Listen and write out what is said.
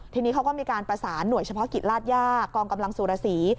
ทีนี้เขาก็มีการประสานหน่วยเฉพาะกิจลาดย่ากองกำลังสุรสี